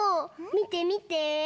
みてみて。